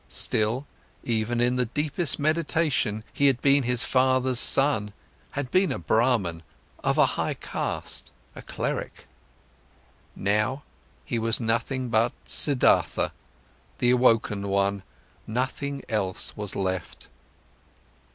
Still, even in the deepest meditation, he had been his father's son, had been a Brahman, of a high caste, a cleric. Now, he was nothing but Siddhartha, the awoken one, nothing else was left.